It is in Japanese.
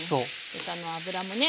豚の脂もね